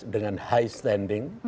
dengan high standing